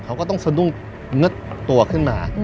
เขาก็ต้องสะดุ้งเง็ดตัวขึ้นมา